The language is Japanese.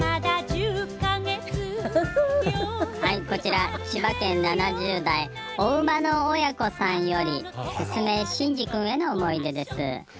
こちら千葉県７０代おうまの親子さんより「進め！しんじ君」への思い出です。